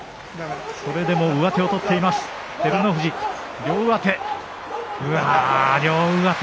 それでも上手を取っています照ノ富士、両上手。